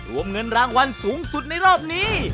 รวมเงินรางวัลสูงสุดในรอบนี้